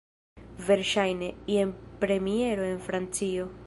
Verŝajne, jen premiero en Francio.